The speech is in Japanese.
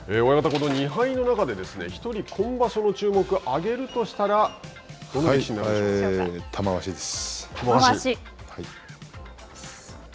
この２敗の中で１人、今場所の注目を挙げるとしたら玉鷲です。